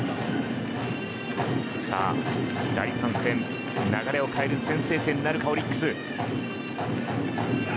第３戦流れを変える先制点なるかオリックス。